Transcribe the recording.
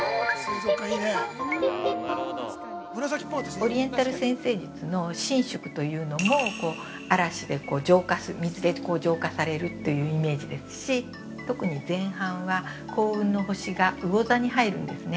オリエンタル占星術の参宿というのも、嵐で、水で浄化されるっていうイメージですし、特に前半は、幸運の星が魚座に入るんですね。